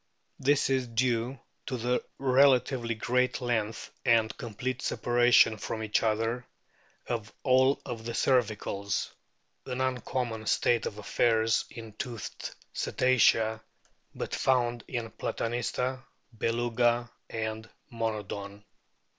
This is due to the relatively great length and complete separation from each other of all the cervicals an uncommon state of affairs in toothed Cetacea, but found in Platanista, Beluga, and Mono don.